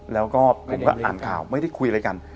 แล้วก็ผมก็อ่านข่าวไม่ได้คุยอะไรกัน